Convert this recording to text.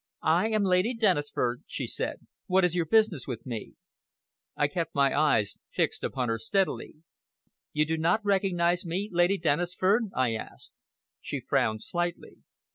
"I am Lady Dennisford," she said. "What is your business with me?" I kept my eyes fixed upon her steadily. "You do not recognize me, Lady Dennisford?" I asked. She frowned slightly.